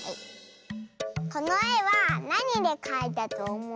このえはなにでかいたとおもう？